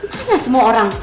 mana semua orang